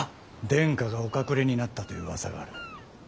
殿下がお隠れになったといううわさがある。